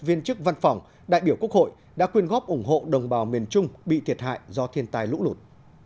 viên chức văn phòng đại biểu quốc hội đã quyên góp ủng hộ đồng bào miền trung bị thiệt hại do thiên tai lũ lụt